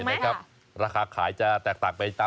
มีกลิ่นหอมกว่า